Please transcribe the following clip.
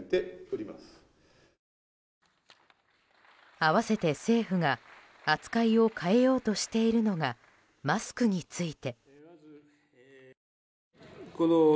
併せて政府が扱いを変えようとしているのがマスクについて。